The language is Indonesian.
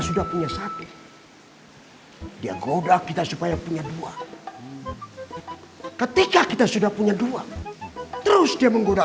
sudah punya satu dia goda kita supaya punya dua ketika kita sudah punya dua terus dia menggunakan